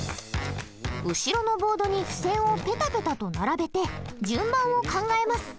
後ろのボードに付箋をペタペタと並べて順番を考えます。